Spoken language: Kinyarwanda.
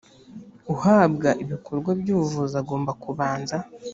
uhabwa ibikorwa by ubuvuzi agomba kubanza